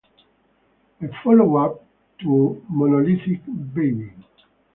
A followup to Monolithic Baby!